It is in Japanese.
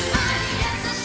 優しい